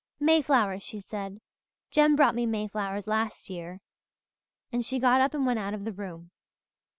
'Mayflowers!' she said. 'Jem brought me mayflowers last year!' and she got up and went out of the room.